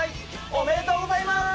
おめでとうございます！